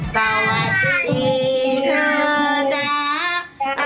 สวัสดีเธอจ๊ะ